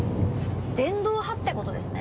電動派ってコトですね。